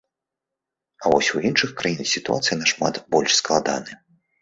А вось у іншых краін сітуацыя нашмат больш складаная.